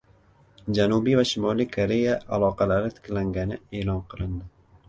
Janubiy va Shimoliy Koreya aloqalari tiklangani e’lon qildi